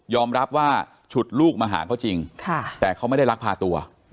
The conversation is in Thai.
รับว่าฉุดลูกมาหาเขาจริงแต่เขาไม่ได้ลักพาตัว